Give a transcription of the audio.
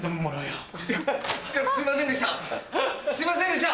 すいませんでした！